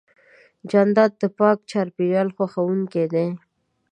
جانداد د پاک چاپېریال خوښوونکی دی.